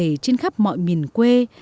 nghe thấy khắp mọi người quê